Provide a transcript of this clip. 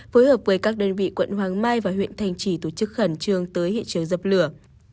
phối hợp với các đơn vị quận hoàng mai và huyện thành trì tổ chức khẩn trương tới hiện trường dập lửa